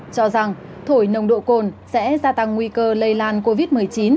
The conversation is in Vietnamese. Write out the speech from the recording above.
cho rằng thổi nồng độ cồn sẽ gia tăng nguy cơ lây lan covid một mươi chín